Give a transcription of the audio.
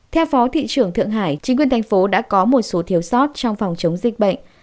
theo phó thị trưởng thượng hải chính quyền thành phố đã có một số thiếu sót trong phòng chống dịch bệnh